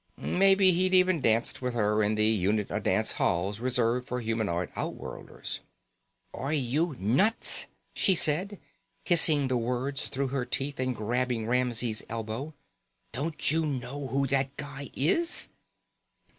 Maybe he'd even danced with her in the unit a dance halls reserved for humanoid outworlders. "Are you nuts?" she said, hissing the words through her teeth and grabbing Ramsey's elbow. "Don't you know who that guy is?"